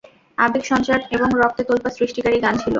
আবেগ সঞ্চার এবং রক্তে তোলপাড় সৃষ্টিকারী গান ছিল।